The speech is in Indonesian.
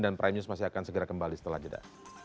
dan prime news masih akan segera kembali setelah jeda